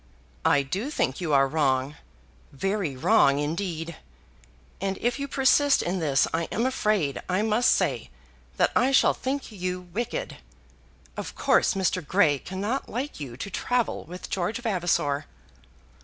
"I do think you are wrong, very wrong, indeed; and if you persist in this I am afraid I must say that I shall think you wicked. Of course Mr. Grey cannot like you to travel with George Vavasor."